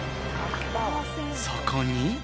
そこに。